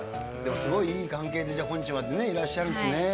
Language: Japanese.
すごいいい関係で今日までいらっしゃるんですね。